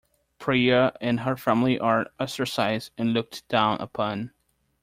Priya and her family are ostracized and looked down upon.